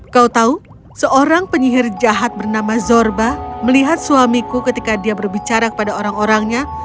kau tahu seorang penyihir jahat bernama zorba melihat suamiku ketika dia berbicara kepada orang orangnya